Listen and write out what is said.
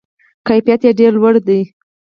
کیفیت یې ډیر لوړ دی.